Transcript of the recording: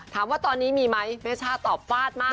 ถามว่าตอนนี้มีไหมเมช่าตอบฟาดมาก